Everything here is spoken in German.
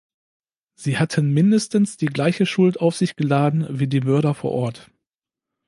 Sie hatten mindestens die gleiche Schuld auf sich geladen wie die Mörder vor Ort.